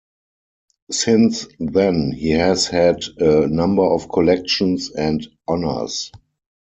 Since then he has had a number of collections and honors.